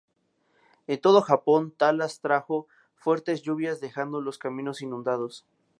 En todo Japón, Talas trajo fuertes lluvias dejando los caminos inundados.